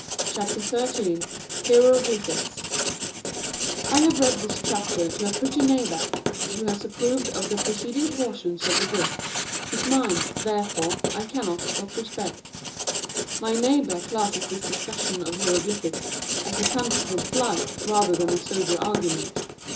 CHAPTER XIII HIEROGLYPHICS I have read this chapter to a pretty neighbor who has approved of the preceding portions of the book, whose mind, therefore, I cannot but respect. My neighbor classes this discussion of hieroglyphics as a fanciful flight rather than a sober argument.